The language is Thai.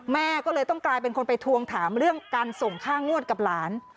แม่ก็เลยต้องกลายเป็นคนไปทวงถามเรื่องการส่งค่างวดกับหลาน